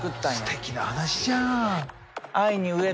すてきな話じゃん。